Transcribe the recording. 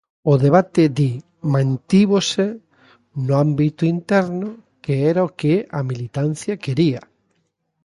O debate, di, mantívose "no ámbito interno, que era o que a militancia quería".